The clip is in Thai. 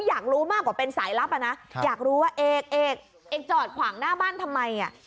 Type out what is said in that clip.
อยากรู้มากกว่าเป็นสายลับอ่ะนะอยากรู้ว่าเอกเอกจอดขวางหน้าบ้านทำไมอ่ะ